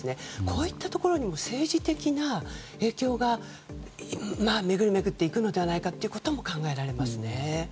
こういったところにも政治的な影響が巡り巡って、及ぶのではとも考えられますね。